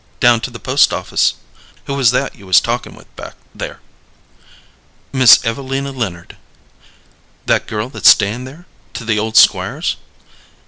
Down to the post office." "Who was that you was talkin' with back there?" "Miss Evelina Leonard." "That girl that's stayin' there to the old Squire's?"